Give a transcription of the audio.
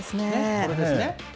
これですね。